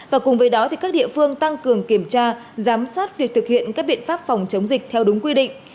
và cùng với đó các địa phương tăng cường kiểm tra giám sát việc thực hiện các biện pháp phòng chống dịch theo đúng quy định